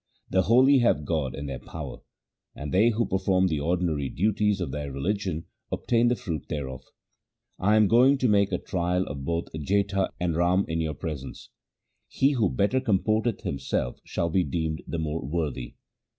The holy have God in their power, and they who perform the ordinary duties of their religion obtain the fruit thereof. I am going to make a trial of both Jetha and Rama in your presence. He who better comporteth himself shall be deemed the more worthy.'